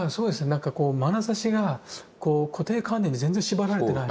なんこうまなざしがこう固定観念に全然縛られてない。